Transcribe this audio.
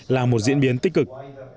là một diễn biến tích cực